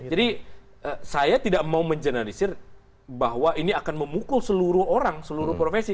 jadi saya tidak mau menjelanisir bahwa ini akan memukul seluruh orang seluruh profesi